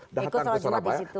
ikut sholat jumat di situ